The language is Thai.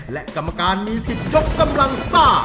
และกรรมการมีสิทธิ์ยกกำลังซ่า